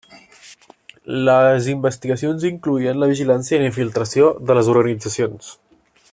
Les investigacions incloïen la vigilància i la infiltració de les organitzacions.